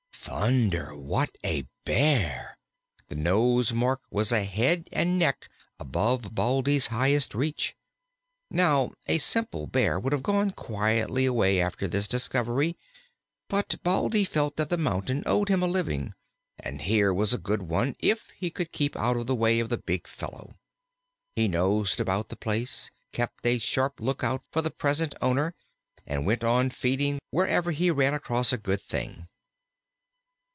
"Thunder! what a Bear!" The nose mark was a head and neck above Baldy's highest reach. Now, a simple Bear would have gone quietly away after this discovery; but Baldy felt that the mountains owed him a living, and here was a good one if he could keep out of the way of the big fellow. He nosed about the place, kept a sharp lookout for the present owner, and went on feeding wherever he ran across a good thing.